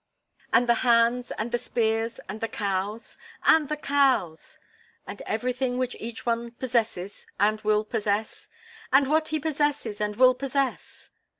"And the hands and the spears and the cows?" "And the cows!" "And everything which each one possesses and will possess?" "And what he possesses and will possess."